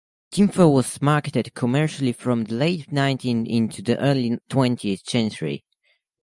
Tin foil was marketed commercially from the late nineteenth into the early twentieth century.